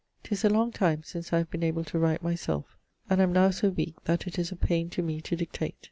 'Tis a long time since I have been able to write my selfe, and am now so weake that it is a paine to me to dictate.